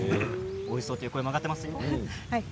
おいしそうという声も上がっていますよ。